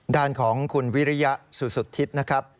ด้านของคุณวิริยสุสุทธิ์นะครับ